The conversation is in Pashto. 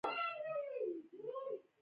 زه لکه سپین جلد په غبار کې حساسیت کومه